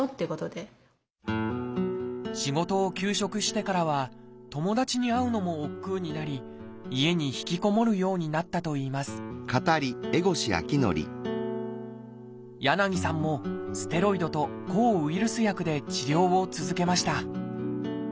仕事を休職してからは友達に会うのもおっくうになり家に引きこもるようになったといいます柳さんもステロイドと抗ウイルス薬で治療を続けました。